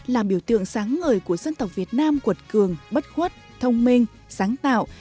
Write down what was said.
là biểu tượng sáng ngời của dân tộc việt nam quật cường bất khuất thông minh sáng tạo